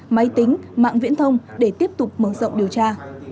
máy tính mạng viễn thông để tiếp tục mở rộng điều tra